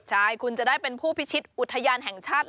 ใช่คุณจะได้เป็นผู้พิชิตอุทยานแห่งชาติ